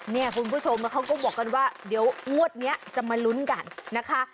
เนี่ยคุณผู้ชมแล้วเขาก็บอกกันว่าเดี๋ยวงวดนี้จะมาลุ้นกันนะคะ